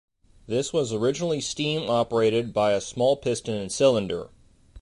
This was originally steam-operated by a small piston and cylinder.